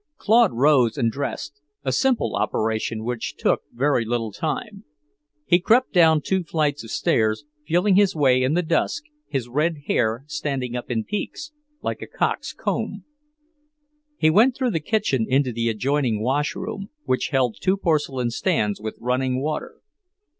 Claude rose and dressed, a simple operation which took very little time. He crept down two flights of stairs, feeling his way in the dusk, his red hair standing up in peaks, like a cock's comb. He went through the kitchen into the adjoining washroom, which held two porcelain stands with running water.